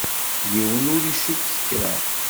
Yiwen ur icukket kra.